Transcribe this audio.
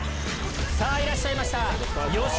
さぁいらっしゃいました。